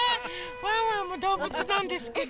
ワンワンもどうぶつなんですけど。